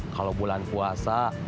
kalau bulan puasa